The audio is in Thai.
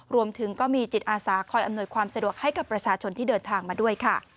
รวมถึงก็มีจิตอาสาคอยอำนวยความสะดวกให้กับประชาชนที่เดินทางมาด้วยค่ะ